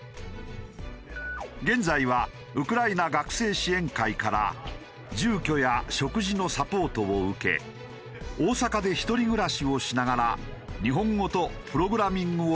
現在はウクライナ学生支援会から住居や食事のサポートを受け大阪で一人暮らしをしながら日本語とプログラミングを勉強中。